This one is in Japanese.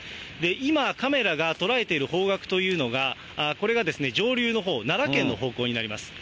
今、カメラが捉えている方角というのが、これが上流のほう、奈良県の方向になります。